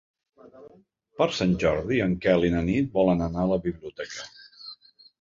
Per Sant Jordi en Quel i na Nit volen anar a la biblioteca.